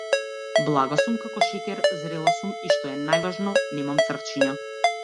Блага сум како шеќер, зрела сум и што е најважно немам црвчиња.